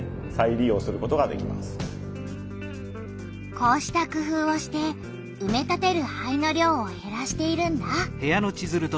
こうした工夫をしてうめ立てる灰の量をへらしているんだ。